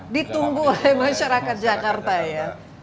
ditunggu oleh masyarakat jakarta ya